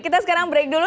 kita sekarang break dulu